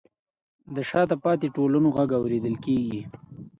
د شاته پاتې ټولنو غږ اورېدل کیږي.